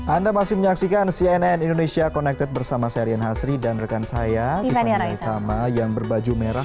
anda masih menyaksikan cnn indonesia connected bersama saya rian hasri dan rekan saya tiffany naitama yang berbaju merah